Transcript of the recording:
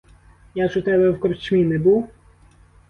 Я ж у тебе в корчмі не був?